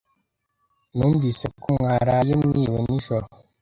Numvise ko mwaraye mwiriwe nijoro.